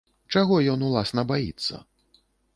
Чаго ён, уласна, баіцца?